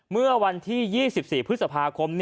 เมื่อวันที่๒๔พฤษภาคม